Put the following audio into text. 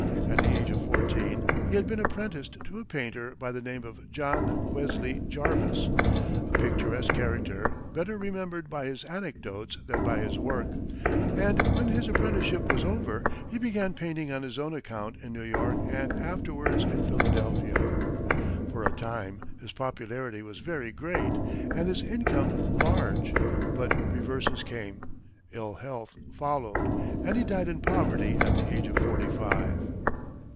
At the age of fourteen, he had been apprenticed to a painter by the name of John Wesley Jarvis, a picturesque character, better remembered by his anecdotes than by his work; and when his apprenticeship was over he began painting on his own account in New York and afterwards in Philadelphia. For a time his popularity was very great and his income large; but reverses came, ill health followed, and he died in poverty at the age of forty five.